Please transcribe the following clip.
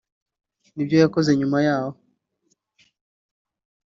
n’ibyo yakoze nyuma yaho